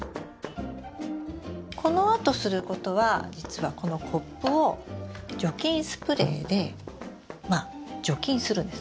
このあとすることは実はこのコップを除菌スプレーで除菌するんです。